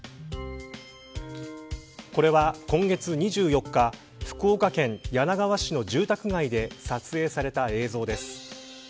これは今月２４日福岡県柳川市の住宅街で撮影された映像です。